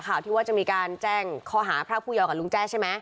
ข่าวที่ว่าจะมีการแจ้งข้อหาพระผู้ยอกับลุงแจ้ใช่ไหม